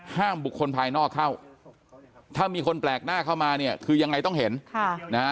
ห้ามบุคคลภายนอกเข้าถ้ามีคนแปลกหน้าเข้ามาเนี่ยคือยังไงต้องเห็นค่ะนะฮะ